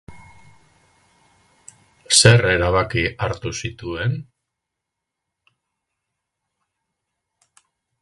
Zer erabaki hartu zituen?